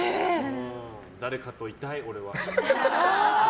誰かといたい、俺は。